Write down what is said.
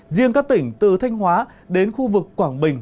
riêng các tỉnh từ thanh hóa đến khu vực quảng bình